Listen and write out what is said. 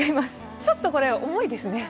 ちょっとこれ、重いですね。